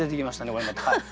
これまた。